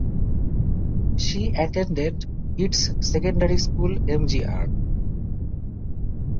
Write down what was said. She attended its secondary school Mgr.